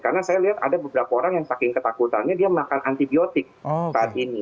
karena saya lihat ada beberapa orang yang saking ketakutannya dia makan antibiotik saat ini